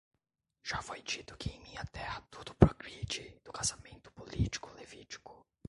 Já foi dito que em minha terra tudo progride do casamento político levítico.